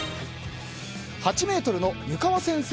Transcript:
８ｍの湯川先生